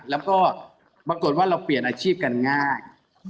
แล้วก็ปรากฏว่าเราเปลี่ยนอาชีพกันง่าย